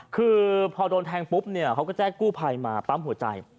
คือพอโดนแทงปุ๊บเนี่ยเขาก็แจ้งกู้ภัยมาปั๊มหัวใจ